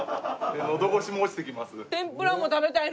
のど越しも落ちてきます。